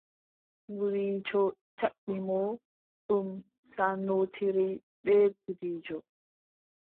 Gudiijo jaɓɓi mo, ɗum saanootiri bee gudiijo.